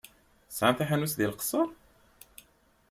Sɛan taḥanut deg Leqṣeṛ?